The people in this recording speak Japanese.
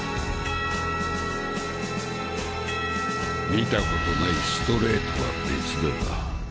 見たことないストレートは別だが。